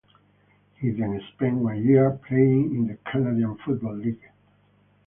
He then spent one year playing in the Canadian Football League.